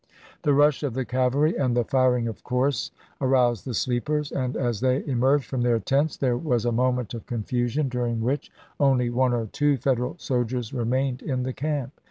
The rush of the cavalry and the firing of course aroused the sleepers, and as they emerged from their tents there was a moment of confusion, THE CAPTURE OF JEFFERSON DAVIS 271 during which only one or two Federal soldiers remained in the camp.